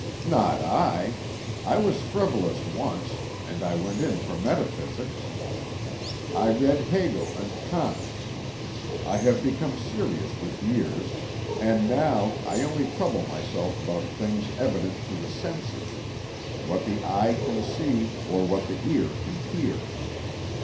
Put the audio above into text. "Not I! I was frivolous once, and I went in for metaphysics. I read Hegel and Kant. I have become serious with years, and now I only trouble myself about things evident to the senses: what the eye can see or what the ear can hear.